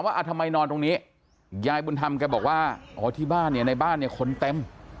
ว่าทำไมนอนตรงนี้ยายบุญธรรมก็บอกว่าที่บ้านในบ้านคนเต็ม